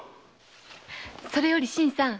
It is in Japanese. それより新さん。